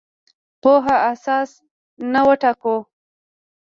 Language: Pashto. پوهه اساس نه وټاکو.